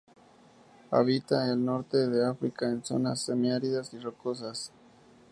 Habita el norte de África en zonas semi áridas y rocosas.